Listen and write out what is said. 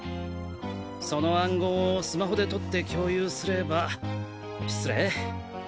その暗号をスマホで撮って共有すれば失礼。